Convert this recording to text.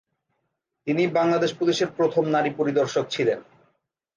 তিনি বাংলাদেশ পুলিশের প্রথম নারী পরিদর্শক ছিলেন।